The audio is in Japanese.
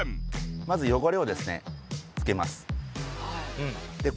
まず汚れをですね付けます。